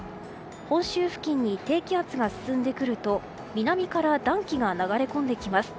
本州付近に低気圧が進んでくると南から暖気が流れ込んできます。